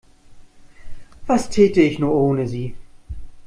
Was täte ich nur ohne Sie?